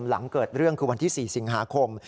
หลังเกิดเรื่องคือวันที่๔สิงหาคม